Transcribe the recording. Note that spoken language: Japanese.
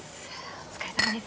お疲れさまです。